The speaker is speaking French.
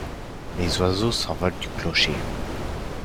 Les oiseaux s’envolent du clocher.